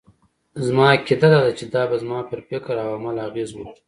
زما عقيده دا ده چې دا به زما پر فکراو عمل اغېز وکړي.